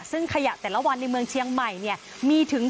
ซึ่งขยะแต่ละวันในเมืองเชียงใหม่เนี่ยมีถึง